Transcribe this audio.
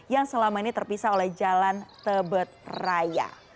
yang selama ini terpisah oleh jalan tebet raya